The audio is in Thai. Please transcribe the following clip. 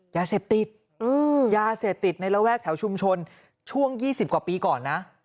ยาเสพติดยาเสพติดในระแวกแถวชุมชนช่วง๒๐กว่าปีก่อนนะ